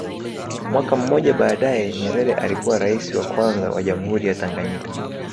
Mwaka mmoja baadae Nyerere alikuwa raisi wa kwanza wa jamhuri ya Tanganyika